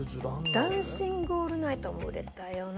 『ダンシング・オールナイト』も売れたよな。